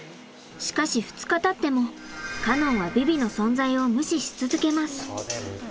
しかし２日たってもカノンはヴィヴィの存在を無視し続けます。